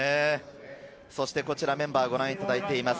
こちらはメンバーをご覧いただいています。